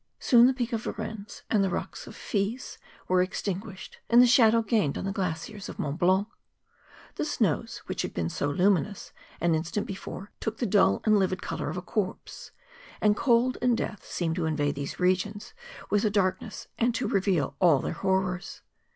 Soon the peak of Varens and the rocks of the Fiz were extinguished, and the shadow gained the glaciers of jNIont Blanc. The snows which had been so luminous an instant before. 20 MOUNTAIN ADVENTURES. took the dull and livid colour of a corpse ; and cold and death seemed to invade these regions with the darkness and to reveal all their horrors.